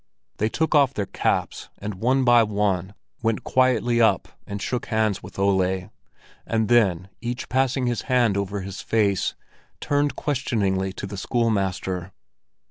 They took off their caps, and one by one went quietly up and shook hands with Ole, and then, each passing his hand over his face, turned questioningly to the schoolmaster.